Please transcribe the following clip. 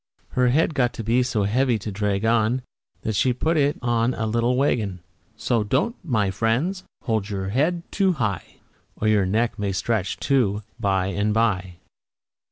Her head got to be so heavy to drag on, That she had to put it on a little wagon. So don't, my friends, hold your head too high, Or your neck may stretch, too, by and by.